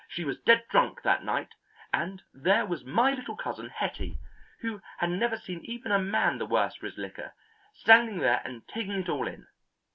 She was dead drunk that night, and there was my little cousin, Hetty, who had never seen even a man the worse for his liquor, standing there and taking it all in.